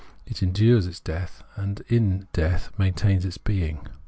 Preface 31 it endures its death and in death maintaitis its being.